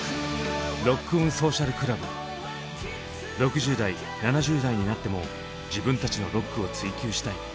６０代７０代になっても自分たちのロックを追求したい。